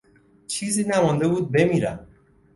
چیزی نمانده بود بمیرم.